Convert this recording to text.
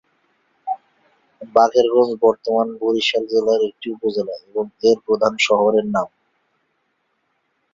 বাকেরগঞ্জ বর্তমানে বরিশাল জেলার একটি উপজেলা এবং এর প্রধান শহরের নাম।